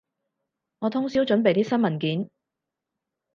我通宵準備啲新文件